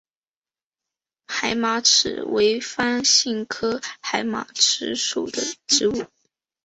海马齿为番杏科海马齿属的植物。